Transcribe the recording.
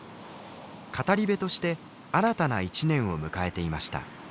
語り部として新たな一年を迎えていました。